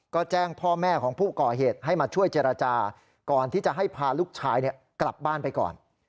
ก็แจ้งพ่อแม่ของผู้ก่อเหตุให้มาช่วยเจรจาก่อนที่จะให้พาลูกชายกลับบ้านไปก่อน